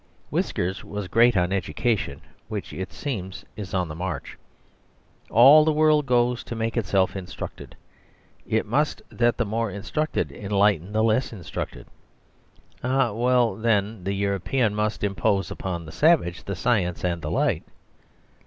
Whiskers was great on education, which, it seems, is on the march. All the world goes to make itself instructed. It must that the more instructed enlighten the less instructed. Eh, well then, the European must impose upon the savage the science and the light.